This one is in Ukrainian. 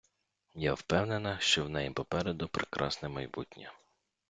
Я впевнена, що в неї попереду прекрасне майбутнє.